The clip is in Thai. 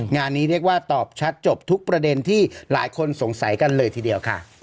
งานนี้เรียกว่าตอบชัดจบทุกประเด็นที่หลายคนสงสัยกันเลยทีเดียวค่ะ